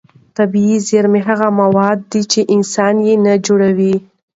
طبیعي زېرمې هغه مواد دي چې انسان یې نه جوړوي.